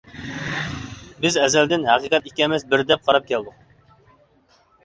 بىز ئەزەلدىن ھەقىقەت ئىككى ئەمەس، بىر دەپ قاراپ كەلدۇق.